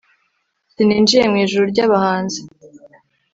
sininjiye mw'ijuru ry'abahanzi